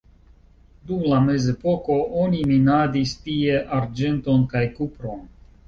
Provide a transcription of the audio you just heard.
Dum la mezepoko oni minadis tie arĝenton kaj kupron.